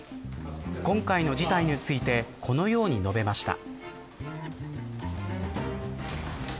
今回の事態についてこのように述べました。